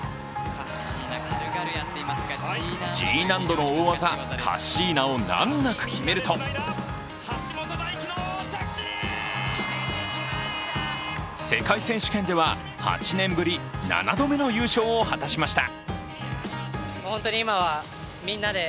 Ｇ難度の大技・カッシーナを難なく決めると世界選手権では８年ぶり７度目の優勝を果たしました。